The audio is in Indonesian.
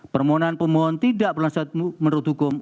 permohonan pemohon tidak berlanjut menurut hukum